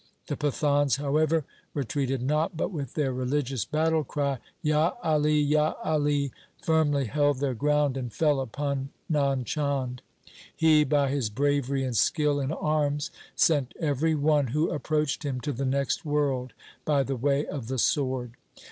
The Pathans, however, retreated not, but with their religious battle cry, ' Ya Ali ! Ya Ali !' firmly held their ground and fell upon Nand Chand. He by his bravery and skill in arms sent every one who approached him to the next world by the way of the sword.